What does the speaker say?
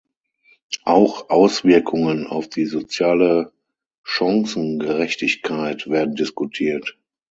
Auch Auswirkungen auf die soziale Chancengerechtigkeit werden diskutiert.